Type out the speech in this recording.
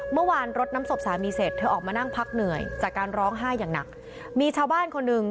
เมื่อวานรถน้ำสบสามีเสร็จเธอออกมานั่งพักเหนื่อย